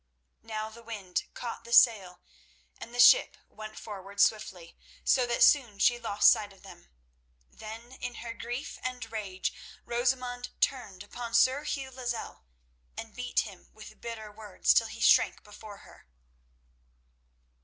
Now the wind caught the sail and the ship went forward swiftly, so that soon she lost sight of them. Then in her grief and rage Rosamund turned upon Sir Hugh Lozelle and beat him with bitter words till he shrank before her.